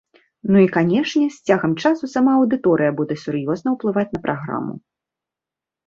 Ну і канешне, з цягам часу сама аўдыторыя будзе сур'ёзна ўплываць на праграму.